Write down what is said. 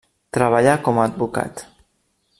Treballa com advocat.